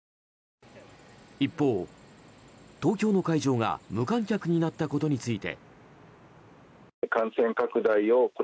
一方、東京の会場が無観客になったことについて。